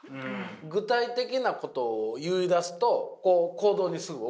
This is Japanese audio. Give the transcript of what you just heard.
具体的なことを言いだすと行動にすぐ起こせる。